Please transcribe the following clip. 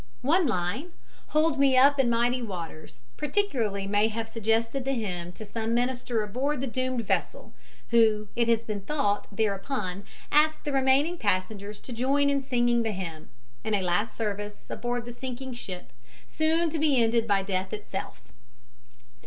One line, "Hold me up in mighty waters," particularly may have suggested the hymn to some minister aboard the doomed vessel, who, it has been thought, thereupon asked the remaining passengers to join in singing the hymn, in a last service aboard the sinking ship, soon to be ended by death itself.